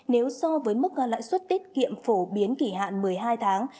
nếu so với mức lãi suất tiết kiệm phổ biến kỷ hạn một mươi hai tháng